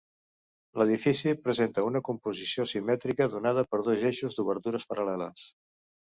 L'edifici presenta una composició simètrica donada per dos eixos d'obertures paral·leles.